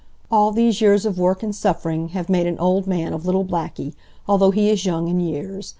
All these years of work and suffering have made an old man of little Blackie, although he is young in years.